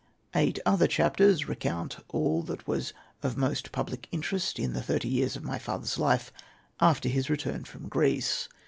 Eight other chapters recount all that was of most public interest in the thirty years of my father's life after his return from Greece.